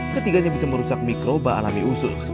ketiganya bisa merusak mikroba alami usus